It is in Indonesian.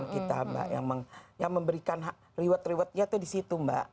kita mbak yang memberikan reward rewardnya itu di situ mbak